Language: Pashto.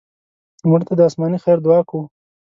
مړه ته د آسماني خیر دعا کوو